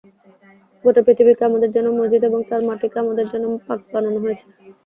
গোটা পৃথিবীকে আমাদের জন্য মসজিদ এবং তার মাটিকে আমাদের জন্য পাক বানানো হয়েছে।